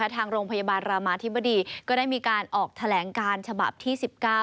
ทางโรงพยาบาลรามาธิบดีก็ได้มีการออกแถลงการฉบับที่๑๙